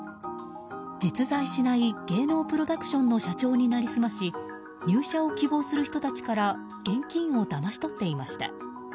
実在しない芸能プロダクションの社長に成り済まし入社を希望する人たちから現金をだまし取っていました。